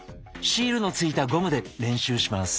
シールのついたゴムで練習します。